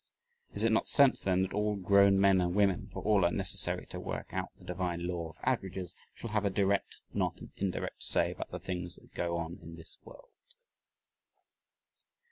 Is it not sense then that all grown men and women (for all are necessary to work out the divine "law of averages") shall have a direct not an indirect say about the things that go on in this world?